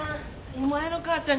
お前の母ちゃん